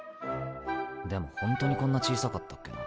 でもホントにこんな小さかったっけな？